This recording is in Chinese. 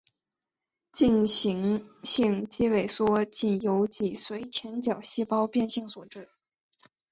进行性脊肌萎缩仅由脊髓前角细胞变性所致。